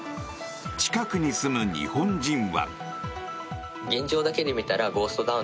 近くに住む日本人は。